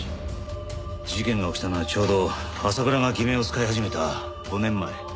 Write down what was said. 事件が起きたのはちょうど朝倉が偽名を使い始めた５年前。